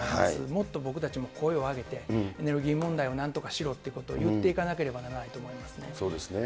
もっと僕たちも声を上げて、エネルギー問題をなんとかしろということを言っていかなければなそうですね。